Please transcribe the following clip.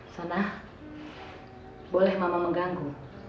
sana boleh mama mengganggu